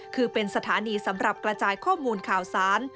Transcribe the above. คือเป็นสถานีสำหรับกระจายข้อมูลข่าวสาร